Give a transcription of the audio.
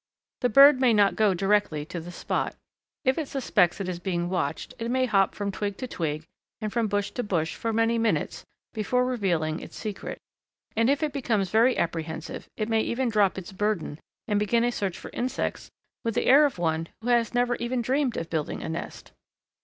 The bird may not go directly to the spot. If it suspects it is being watched it may hop from twig to twig and from bush to bush for many minutes before revealing its secret, and if it becomes very apprehensive it may even drop its burden and begin a search for insects with the air of one who had never even dreamed of building a nest.